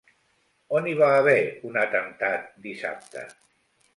On hi va haver un atemptat dissabte?